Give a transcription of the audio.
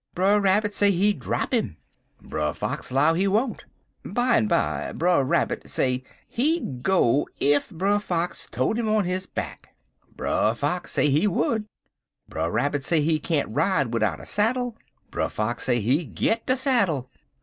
Brer Rabbit say he drap 'im. Brer Fox 'low he won't. Bimeby Brer Rabbit say he go ef Brer Fox tote 'im on his back. Brer Fox say he would. Brer Rabbit say he can't ride widout a saddle. Brer Fox say he git de saddle.